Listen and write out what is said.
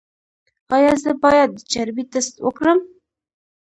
ایا زه باید د چربي ټسټ وکړم؟